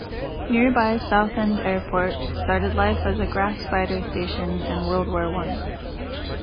Nearby Southend Airport started life as a grass fighter station in World War One.